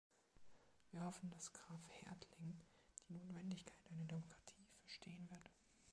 Wir hoffen, dass Graf Hertling die Notwendigkeit einer Demokratie verstehen wird.